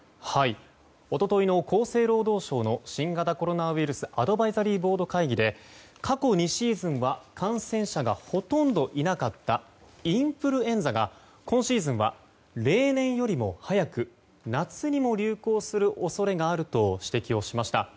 一昨日の厚生労働省の新型コロナウイルスアドバイザリーボード会議で過去２シーズンは感染者がほとんどいなかったインフルエンザが今シーズンは例年より早く夏にも流行する恐れがあると指摘をしました。